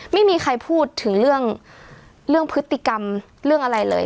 ไม่มีใครพูดถึงเรื่องพฤติกรรมเรื่องอะไรเลย